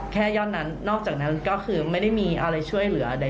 แค่ยอดนั้นนอกจากนั้นก็คือไม่ได้มีอะไรช่วยเหลือใด